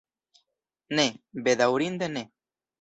Ne, bedaŭrinde ne.